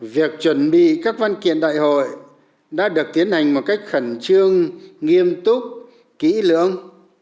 việc chuẩn bị các văn kiện đại hội đã được tiến hành một cách khẩn trương nghiêm túc kỹ lưỡng